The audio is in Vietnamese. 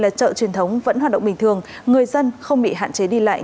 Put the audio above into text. là chợ truyền thống vẫn hoạt động bình thường người dân không bị hạn chế đi lại